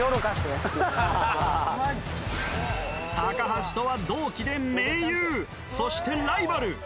橋とは同期で盟友そしてライバル！